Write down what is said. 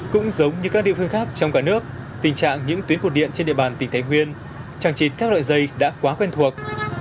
cũng giống như các địa phương khác trong cả nước tình trạng những tuyến cột điện trên địa bàn tỉnh thái nguyên chẳng chịt các loại dây đã quá quen thuộc